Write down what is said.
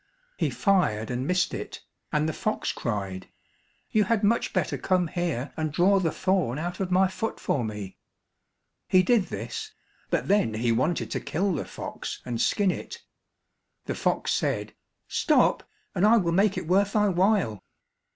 He fired and missed it, and the fox cried, "You had much better come here and draw the thorn out of my foot for me." He did this; but then he wanted to kill the fox and skin it, the fox said, "Stop, and I will make it worth thy while."